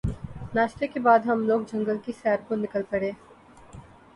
ناشتے کے بعد ہم لوگ جنگل کی سیر کو نکل پڑے